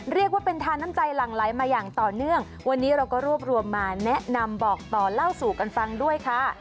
เรียกว่าเป็นทานน้ำใจหลั่งไหลมาอย่างต่อเนื่องวันนี้เราก็รวบรวมมาแนะนำบอกต่อเล่าสู่กันฟังด้วยค่ะ